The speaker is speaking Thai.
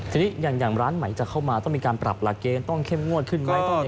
ทีนี้อย่างร้านใหม่จะเข้ามาต้องมีการปรับหลักเกณฑ์ต้องเข้มงวดขึ้นไหม